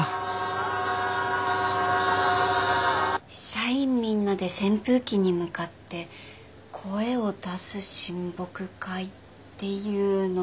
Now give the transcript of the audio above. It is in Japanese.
社員みんなで扇風機に向かって声を出す親睦会っていうのは。